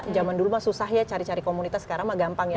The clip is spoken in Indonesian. zaman dulu mah susah ya cari cari komunitas sekarang mah gampang ya